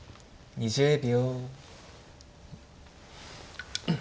２０秒。